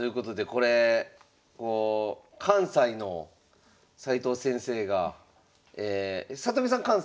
これ関西の斎藤先生が里見さん